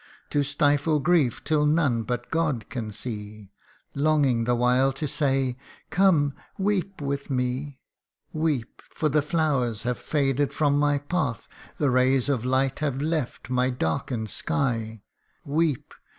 To stifle grief till none but God can see, Longing the while to say, ' Come, weep with me : Weep ! for the flowers have faded from my path, The rays of light have left my darken'd sky : Weep